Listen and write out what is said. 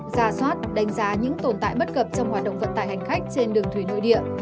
ra soát đánh giá những tồn tại bất cập trong hoạt động vận tải hành khách trên đường thủy nội địa